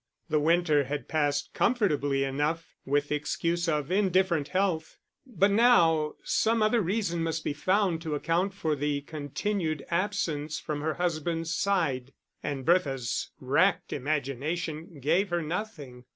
The winter had passed comfortably enough with the excuse of indifferent health, but now some other reason must be found to account for the continued absence from her husband's side; and Bertha's racked imagination gave her nothing.